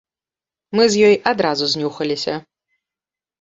Мы з ёй адразу знюхаліся.